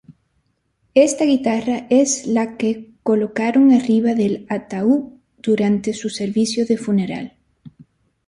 Esta guitarra es la que colocaron arriba del ataúd durante su servicio de funeral.